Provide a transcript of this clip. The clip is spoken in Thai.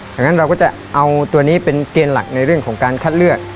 ดังนั้นเราก็จะเอาตัวนี้เป็นเกณฑ์หลักในเรื่องของการคัดเลือก